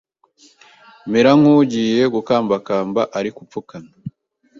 Mera nk’ugiye gukambakamba, ariko upfukamye